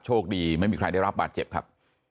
โชคดีไม่มีใครได้รับบาดเจ็บครับ